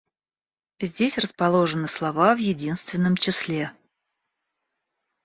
Здесь расположены слова в единственном числе: